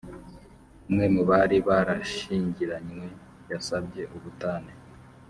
umwe mu bari barashyingiranywe yasabye ubutane